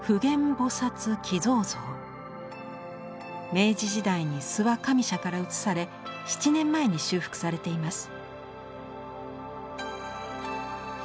明治時代に諏訪上社から移され７年前に修復されています。